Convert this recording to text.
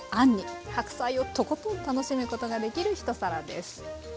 白菜をとことん楽しむことができる一皿です。